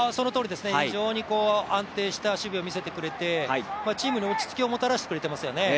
非常に安定した守備を見せてくれて、チームに落ち着きをもたらしてくれていますよね。